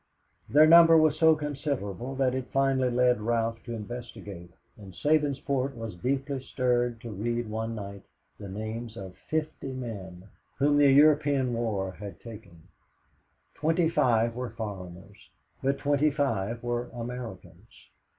Their number was so considerable that it finally led Ralph to investigate, and Sabinsport was deeply stirred to read one night the names of fifty men whom the European war had taken twenty five were foreigners, but twenty five were Americans.